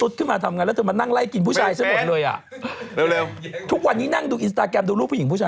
อะโอเคเอาเลือกออฟลองสั่ง